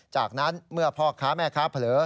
จากนั้นเมื่อพ่อค้าแม่ค้าเผลอ